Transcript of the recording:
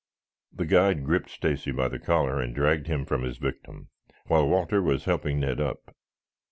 The guide gripped Stacy by the collar and dragged him from his victim, while Walter was helping Ned up.